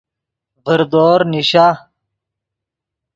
ڤردور نیشا